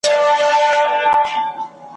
که سهار وو که ماښام جګړه توده وه ,